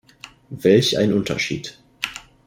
Welch ein Unterschied!